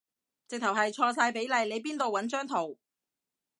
直頭係錯晒比例，你邊度搵張圖